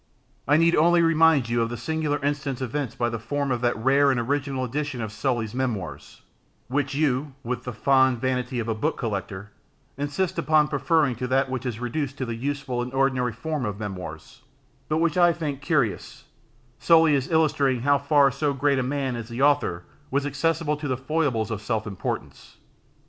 I need only remind you of the singular instance evinced by the form of that rare and original edition of Sully's Memoirs, which you (with the fond vanity of a book collector) insist upon preferring to that which is reduced to the useful and ordinary form of Memoirs, but which I think curious, solely as illustrating how far so great a man as the author was accessible to the foible of self importance.